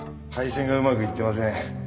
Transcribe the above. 配線がうまくいってません。